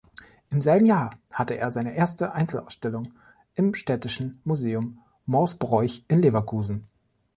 Im selben Jahr hatte er seine erste Einzelausstellung im städtischen Museum Morsbroich in Leverkusen.